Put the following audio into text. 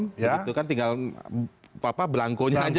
begitu kan tinggal blanco nya aja